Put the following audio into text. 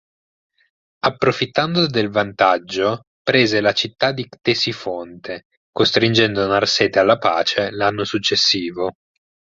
Approfittando del vantaggio, prese la città di Ctesifonte, costringendo Narsete alla pace l'anno successivo.